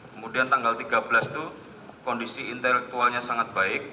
kemudian tanggal tiga belas itu kondisi intelektualnya sangat baik